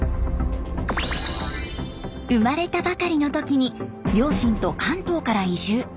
生まれたばかりの時に両親と関東から移住。